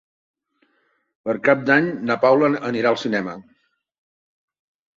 Per Cap d'Any na Paula anirà al cinema.